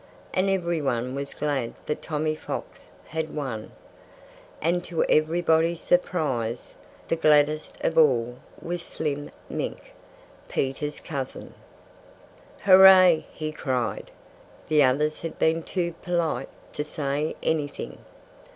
And everyone was glad that Tommy Fox had won. And to everybody's surprise, the gladdest of all was Slim Mink, Peter's cousin. "Hurrah!" he cried. (The others had been too polite to say anything.)